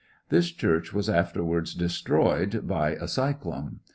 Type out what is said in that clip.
This church was afterwards destroyed by a cyclone.